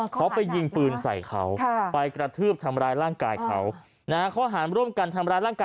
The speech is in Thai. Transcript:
เขาไปยิงปืนใส่เขาไปกระทืบทำร้ายร่างกายเขานะฮะ